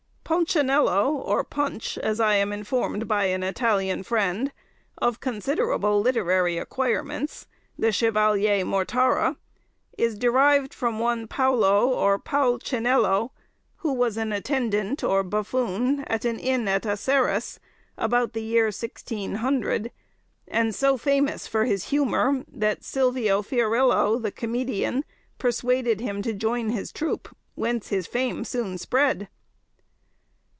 Pulcinello, or Punch, as I am informed by an Italian friend, of considerable literary acquirements—the Chevalier Mortara—is derived from one Paolo or Paol Cinello, who was an attendant or buffoon at an inn at Acerras, about the year 1600, and so famous for his humour, that Silvio Fiorillo, the comedian, persuaded him to join his troop, whence his fame soon spread.